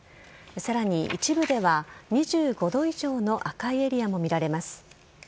さらに一部では２５度以上の赤いエリアも見られます。